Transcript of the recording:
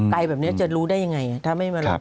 ไก่แบบนี้เพื่อรู้ได้ยังไงถ้าไม่มาลองข่าว